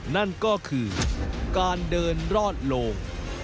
นั่นก็คือการเดินรอดโลง